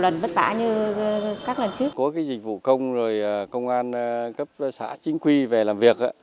các dịch vụ công trực tuyến các dịch vụ công trực tuyến các dịch vụ công trực tuyến